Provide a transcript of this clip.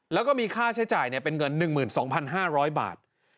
แล้วก็มีค่าใช้จ่ายเป็นเงิน๑๒๕๐๐บาท